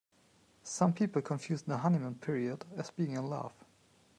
Some people confuse the honeymoon period as being love.